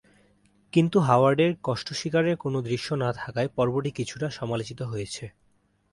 কিন্তু হাওয়ার্ড এর কষ্ট শিকারের কোন দৃশ্য না থাকায় পর্বটি কিছুটা সমালোচিত হয়েছে।